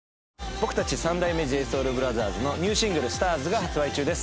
僕たち三代目ＪＳＯＵＬＢＲＯＴＨＥＲＳのニューシングル『ＳＴＡＲＳ』が発売中です。